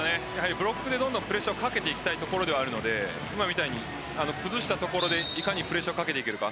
ブロックでどんどんプレッシャーをかけていきたいところではあるので今みたいに崩したところでいかにプレッシャーをかけていけるか。